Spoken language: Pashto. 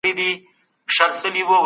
په طبيعي ډول يې ولولئ.